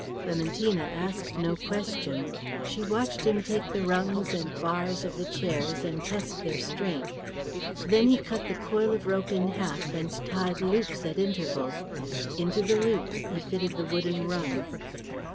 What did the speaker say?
Clementina asked no questions; she watched him take the rungs and bars of the chairs and test their strength. Then he cut the coil of rope in half and tied loops at intervals; into the loops he fitted the wooden rungs.